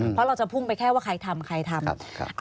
เพราะเราจะพุ่งไปแค่ว่าใครทำใครทำ